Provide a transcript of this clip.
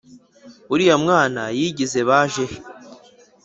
Uriya mwana yigize bajehe